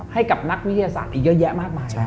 ให้กับนักวิทยาศาสตร์อีกเยอะแยะมากมาย